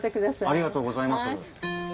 ありがとうございます。